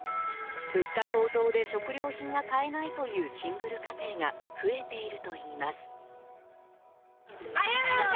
物価高騰で食料品が買えないというシングル家庭が増えているといいます。